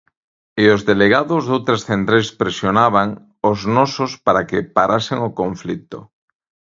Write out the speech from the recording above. E os delegados doutras centrais presionaban os nosos para que parasen o conflito.